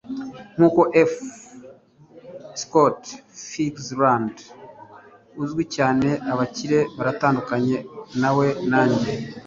nkuko f. scott fitzgerald uzwi cyane, abakire baratandukanye nawe nanjye